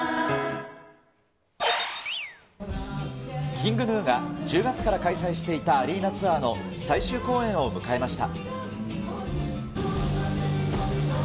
ＫｉｎｇＧｎｕが、１０月から開催していたアリーナツアーの最終公演を迎えました。